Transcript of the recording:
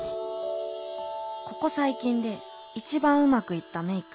ここ最近で一番うまくいったメイク。